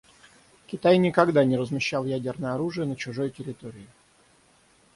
Китай никогда не размещал ядерное оружие на чужой территории.